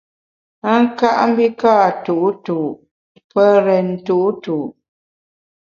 A ka mbi ka’ tu’tu’ pe rèn tu’tu’.